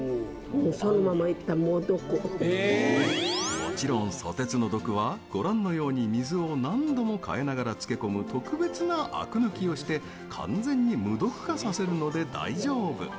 もちろん、ソテツの毒はご覧のように水を何度も替えながら漬け込む特別なアク抜きをして完全に無毒化させるので大丈夫。